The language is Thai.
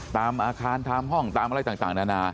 ตามอาคารตามห้องตามอะไรต่างนานา